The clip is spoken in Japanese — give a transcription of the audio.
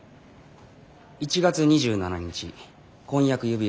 「１月２７日婚約指輪を贈る。